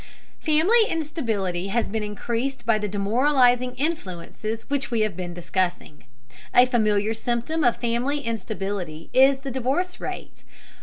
Family instability has been increased by the demoralizing influences which we have been discussing. A familiar symptom of family instability is the divorce rate.